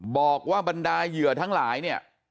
บอกว่าบรรดาเหยื่อทั้งหลายเนี่ย